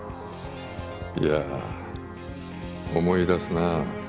いや思い出すな。